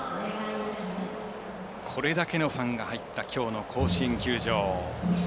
これだけのファンが入ったきょうの甲子園球場。